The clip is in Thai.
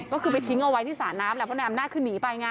ก็คือไปทิ้งเอาไว้ที่สระน้ำแหละเพราะนายอำนาจคือหนีไปไง